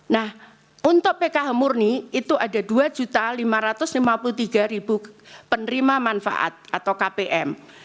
nah untuk pkh murni itu ada dua lima ratus lima puluh tiga penerima manfaat atau kpm